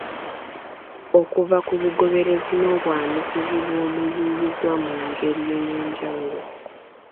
Okuva ku bugoberezi n’obwanukuzi bw’omuyiiyizwa mu ngeri ey’enjawulo.